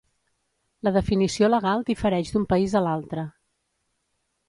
La definició legal difereix d'un país a l'altre.